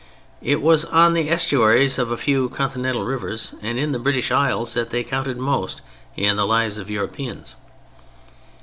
It was on the estuaries of a few continental rivers and in the British Isles that they counted most in the lives of Europeans.